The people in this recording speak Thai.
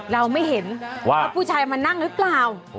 เราไม่เห็นว่าผู้ชายมานั่งหรือเปล่า